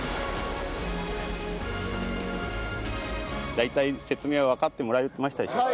大体説明はわかってもらえましたでしょうか？